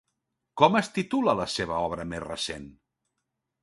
Com es titula la seva obra més recent?